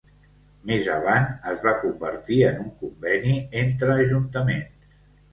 Més avant es va convertir en un conveni entre ajuntaments.